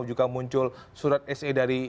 juga muncul surat se dari